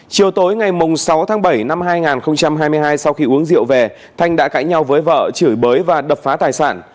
chiều tối ngày sáu tháng bảy năm hai nghìn hai mươi hai sau khi uống rượu về thanh đã cãi nhau với vợ chửi bới và đập phá tài sản